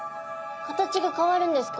形が変わるんですか？